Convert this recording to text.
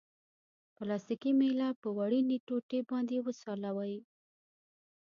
پلاستیکي میله په وړیني ټوټې باندې وسولوئ.